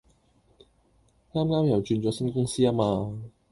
啱啱又轉咗新公司呀嘛